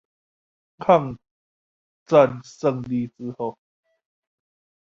抗戰勝利之後